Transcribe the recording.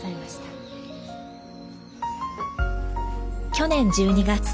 去年１２月。